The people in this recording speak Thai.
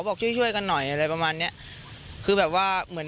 บอกช่วยช่วยกันหน่อยอะไรประมาณเนี้ยคือแบบว่าเหมือน